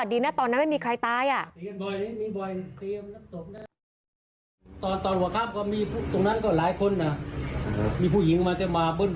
ดีนะตอนนั้นไม่มีใครตาย